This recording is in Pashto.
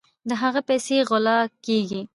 د هغه پیسې غلا کیږي.